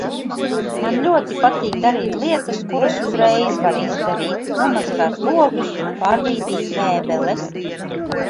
Man ļoti patīk darīt lietas, kuras uzreiz var izdarīt. Nomazgāt logus. Pārbīdīt mēbeles.